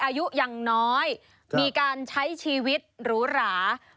อายุยังน้อยมีการใช้ชีวิตหรูหรา